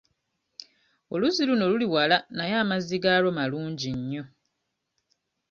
Oluzzi luno luli wala naye amazzi gaalwo malungi nnyo.